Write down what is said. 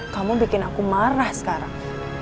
kamu bikin aku marah sekarang